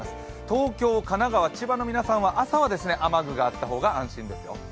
東京、神奈川、千葉は朝は雨具があった方が安心ですよ。